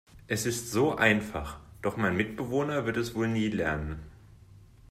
Es ist so einfach, doch mein Mitbewohner wird es wohl nie lernen.